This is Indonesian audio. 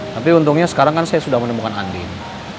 tapi untungnya sekarang kan saya sudah menemukan andin